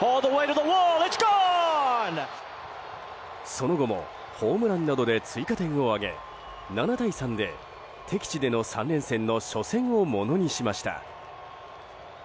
その後もホームランなどで追加点を挙げ７対３で、敵地での３連戦の初戦をものにしました。